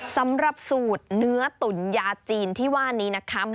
สำหรับสูตรเนื้อตุ๋นยาจีนที่ว่านี้นะคะ